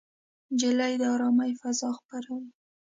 نجلۍ د ارامۍ فضا خپروي.